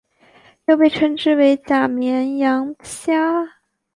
又被称之为假绵羊虾。